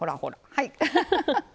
はい。